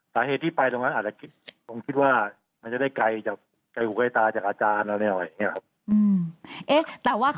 สาเหตุที่ไปตรงนั้นอาจจะคิดว่ามันจะได้ไกลขู่ใกล้ตาจากอาจารย์แล้ว